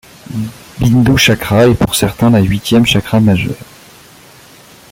Bindu cakra est pour certains la huitième cakra majeur.